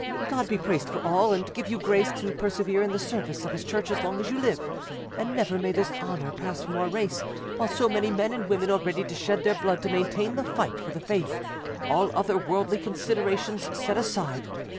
God be praised for all, and give you grace to persevere in the service of His Church as long as you live, and never may this honour pass from our race, while so many men and women are ready to shed their blood to maintain the fight for the faith, all other worldly considerations set aside.